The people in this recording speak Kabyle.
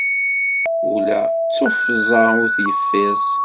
Ula d tuffẓa ur t-yeffiẓ.